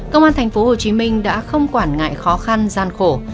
công an thành phố hồ chí minh đã không quản ngại khó khăn gian khổ